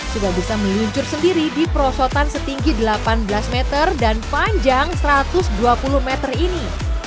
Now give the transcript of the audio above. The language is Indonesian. sudah bisa meluncur sendiri di perosotan setinggi delapan belas meter dan panjang satu ratus dua puluh meter ini